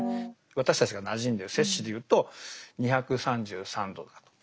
私たちがなじんでる摂氏でいうと２３３度だということですね。